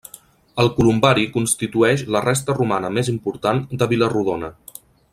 El columbari constitueix la resta romana més important de Vila-rodona.